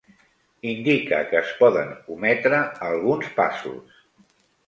Indica que es poden ometre alguns passos.